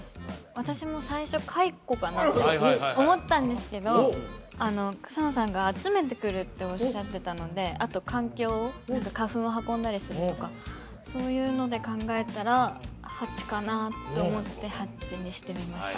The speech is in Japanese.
私も最初カイコかなって思ったんですけど草野さんが「集めてくる」っておっしゃってたのであと環境を何か花粉を運んだりするとかそういうので考えたらハチかなと思ってハチにしてみました